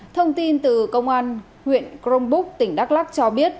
thông tin từ công an huyện cronbuk tỉnh đắk lắc cho biết